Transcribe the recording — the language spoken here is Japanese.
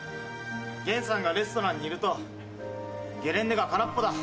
源さんがレストランにいるとゲレンデが空っぽだ。